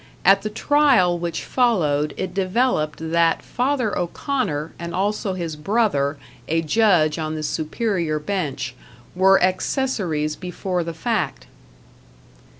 At the trial which followed it developed that Father O'Connor and also his brother, a judge on the Superior Bench, were accessories before the fact.